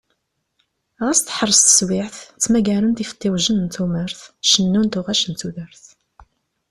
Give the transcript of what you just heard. Xas teḥṛes teswaɛt ttmagaren-d ifeṭṭiwjen n tumert, cennun tuɣac n tudert.